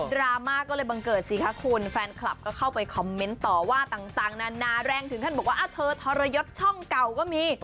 ดราม่าก็เลยบังเกิดสิคะคุณแฟนคลับก็เข้าไปคอมเมนต์ต่อว่าต่างนานาแรงถึงขั้นบอกว่าเธอทรยศช่องเก่าก็มี